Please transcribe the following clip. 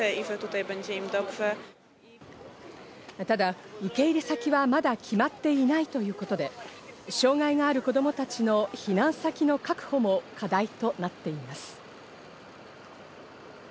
ただ受け入れ先は、まだ決まっていないということで、障害がある子供たちの避難先の確保も課題となっています。